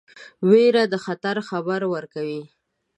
ویره د خطر خبر ورکوي.